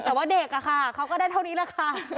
แต่ว่าเด็กอะค่ะเขาก็ได้เท่านี้แหละค่ะ